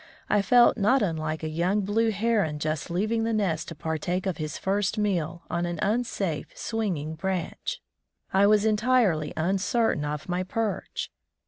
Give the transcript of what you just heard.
I felt not wilike a young blue heron just leaving the nest to partake of his first meal on an unsafe, swinging branch. I was entirely uncertain of my perch.